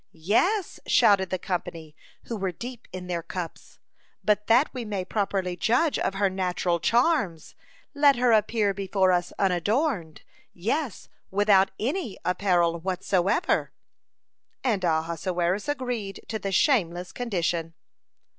"Yes," shouted the company, who were deep in their cups, "but that we may properly judge of her natural charms, let her appear before us unadorned, yes, without any apparel whatsoever," and Ahasuerus agreed to the shameless condition.